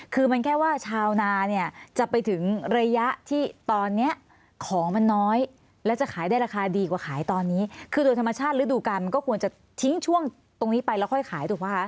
คือมันแค่ว่าชาวนาเนี่ยจะไปถึงระยะที่ตอนเนี้ยของมันน้อยและจะขายได้ราคาดีกว่าขายตอนนี้คือโดยธรรมชาติฤดูการมันก็ควรจะทิ้งช่วงตรงนี้ไปแล้วค่อยขายถูกป่ะคะ